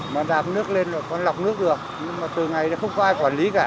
mà đạp nước lên là còn lọc nước được nhưng mà từ ngày này không có ai quản lý cả